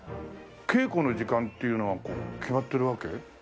稽古の時間っていうのは決まってるわけ？